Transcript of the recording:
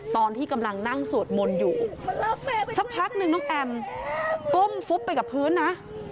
ตอนที่กำลังนั่งสวดมนต์อยู่สักพักนึงน้องแอมก้มฟุบไปกับพื้นนะ